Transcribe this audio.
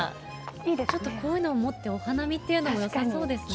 ちょっとこういうのを持ってお花見っていうのもよさそうですね。